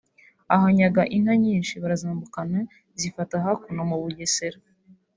ahanyaga inka nyinshi barazambukana zifata hakuno mu Bugesera